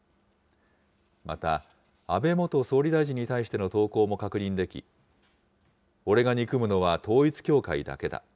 また、安倍元総理大臣に対しての投稿も確認でき、オレが憎むのは統一教会だけだ。